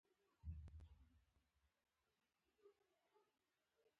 هغوی له شمالي ایتلاف سره اړیکې جوړې کړې.